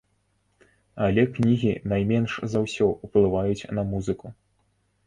Але кнігі найменш за ўсё ўплываюць на музыку.